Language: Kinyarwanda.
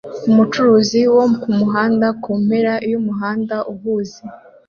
Umucuruzi wo kumuhanda kumpera yumuhanda uhuze